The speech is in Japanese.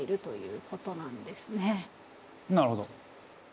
なるほど。